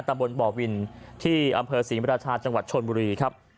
ตำบลบ่อวินที่อำเภอศรีมราชาจังหวัดชนบุรีครับ